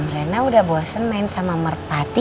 rena udah bosen main sama merpati